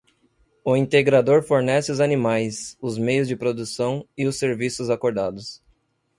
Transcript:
O integrador fornece os animais, os meios de produção e os serviços acordados.